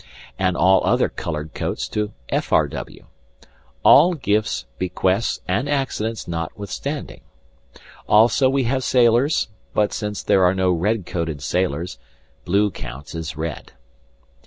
and all other colored coats to F. R. W., all gifts, bequests, and accidents notwithstanding. Also we have sailors; but, since there are no red coated sailors, blue counts as red.